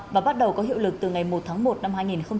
và bắt đầu có hiệu lực từ ngày một tháng một năm hai nghìn hai mươi